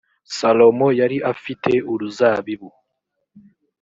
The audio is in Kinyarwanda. salomo yari afite uruzabibu